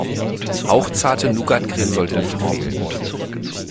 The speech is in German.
Hauchzarte Nougatcreme sollte nicht fehlen.